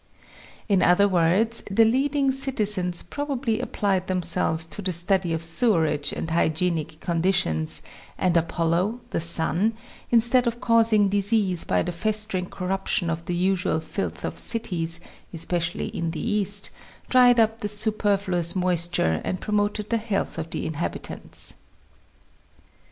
In other words, the leading citizens probably applied themselves to the study of sewerage and hygienic condi tions, and Apollo (the Sun) instead' of causing disease by the festering corruption of the usual filth of cities, especi ally in the East, dried up the superfluous moisture, and promoted the health of the inhabitants.